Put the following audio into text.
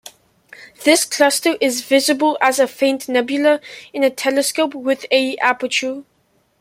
This cluster is visible as a faint nebula in a telescope with a aperture.